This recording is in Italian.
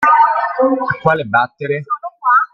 A quale battere?